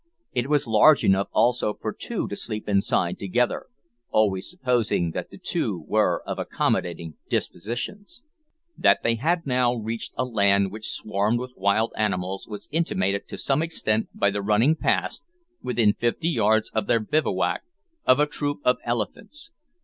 It was large enough also for two to sleep inside together, always supposing that the two were of accommodating dispositions! That they had now reached a land which swarmed with wild animals was intimated to some extent by the running past, within fifty yards of their bivouac, of a troop of elephants.